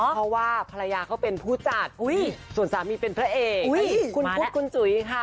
เพราะว่าภรรยาเขาเป็นผู้จัดส่วนสามีเป็นพระเอกคุณพุทธคุณจุ๋ยค่ะ